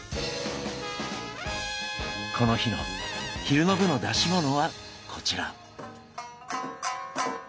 この日の昼の部の出し物はこちら。